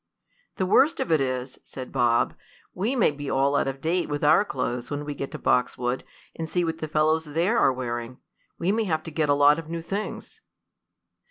"The worst of it is," said Bob, "we may be all out of date with our clothes when we get to Boxwood and see what the fellows there are wearing. We may have to get a lot of new things."